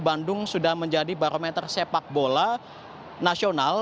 bandung sudah menjadi barometer sepak bola nasional